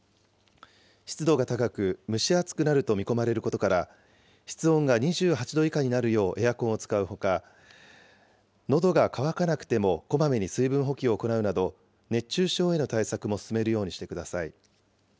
湿度が高く蒸し暑くなると見込まれることから、室温が２８度以下になるようエアコンを使うほか、のどが渇かなくてもこまめに水分補給を行うなど、熱中症への対策も進めるようにしてください。